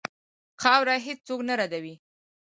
خاوره هېڅ څوک نه ردوي.